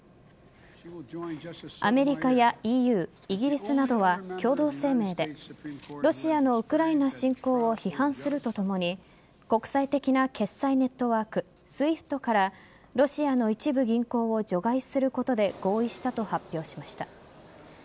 イギリスなどは共同声明でロシアのウクライナ侵攻を批判するとともに国際的な決済ネットワークＳＷＩＦＴからロシアの一部銀行を除外することで合意したと発表しました。